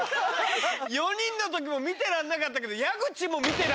４人の時も見てらんなかったけど。